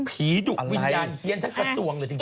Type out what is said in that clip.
ดุวิญญาณเฮียนทั้งกระทรวงเลยจริง